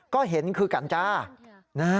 ก็เห็นคือกัญจ้านะฮะ